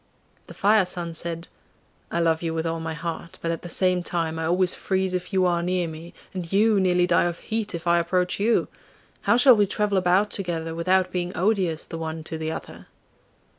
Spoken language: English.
The Fire son said, 'I love you with all my heart, but at the same time I always freeze if you are near me, and you nearly die of heat if I approach you! How shall we travel about together without being odious the one to the other?